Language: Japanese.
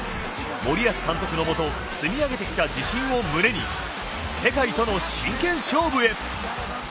森保監督のもと積み上げてきた自信を胸に世界との真剣勝負へ！